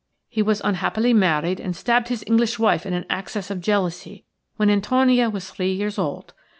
He was unhappily married, and stabbed his English wife in an access of jealousy when Antonia was three years old.